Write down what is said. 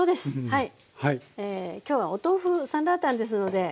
はい。